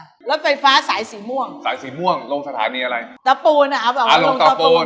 รถไฟฟ้าสายสีม่วงสายสีม่วงลงสถานีอะไรตะปูนอ่ะเอาแบบว่าลงตะปูน